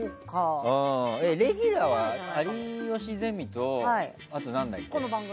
レギュラーは「有吉ゼミ」とあと何だっけ？